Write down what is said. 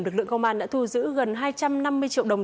lực lượng công an đã thu giữ gần hai trăm năm mươi triệu đồng